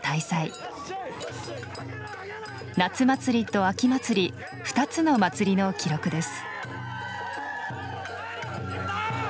夏祭りと秋祭り２つの祭りの記録です。